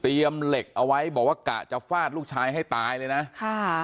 เหล็กเอาไว้บอกว่ากะจะฟาดลูกชายให้ตายเลยนะค่ะ